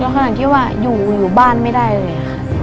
มันนักเราขนาดที่ว่าอยู่อยู่บ้านไม่ได้เลยค่ะ